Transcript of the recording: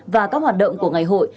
và các hoạt động của ngày hội